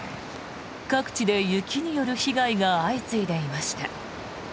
各地で雪による被害が相次いでいました。